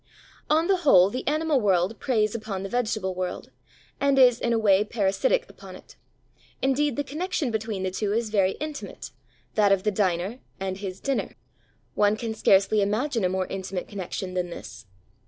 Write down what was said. On the whole the animal world preys upon the vegetable world, and is in a way parasitic upon it. Indeed, the connexion between the two is very intimate that of the diner and his dinner. One can scarcely imagine a more intimate connexion than this!